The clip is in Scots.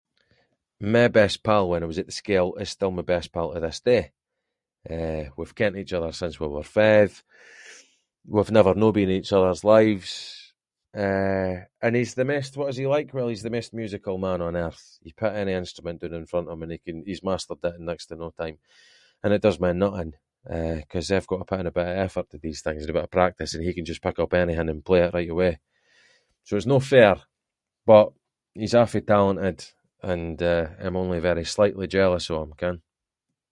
My best pal when I was at the school is still my best pal to this day, eh, we’ve kent each other since we were five, we’ve never no been in each other’s lives, eh, and he’s the maist- what is he like- well he’s the maist musical man on earth, you put any instrument doon in front of him, and he can- he’s mastered it in next to no time, and it does my nut in, eh, ‘cause I’ve got to put in a bit of effort to these things and a bit of practice, and he can just pick up anything and just play it right away. So it’s no fair, but he’s awfu' talented, and, eh, I’m only very slightly jealous of him, ken?